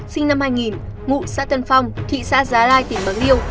sinh năm hai nghìn ngụ xã tân phong thị xã giá lai tỉnh bằng liêu